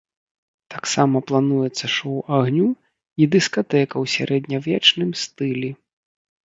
Таксама плануецца шоў агню і дыскатэка ў сярэднявечным стылі.